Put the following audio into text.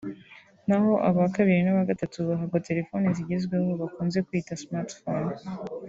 naho aba kabiri n’aba gatatu bahabwa terefone zigezweho bakunze kwita smart phone